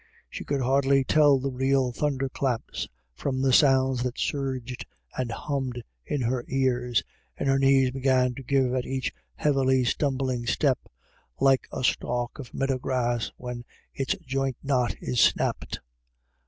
She could hardly tell the real thunder claps from the sounds that surged and hummed in her ears, and her knees began to give at each heavily stumbling step, like a stalk of meadow grass when its joint knot is snapped.